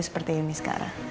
seperti ini sekarang